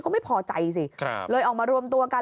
ก็ไม่พอใจสิเลยออกมารวมตัวกัน